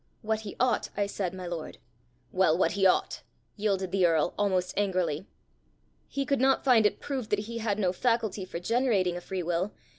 "What he ought, I said, my lord." "Well, what he ought," yielded the earl almost angrily. "He could not find it proved that he had no faculty for generating a free will.